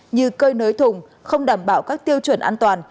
như cơi nới thùng không đảm bảo các tiêu chuẩn an toàn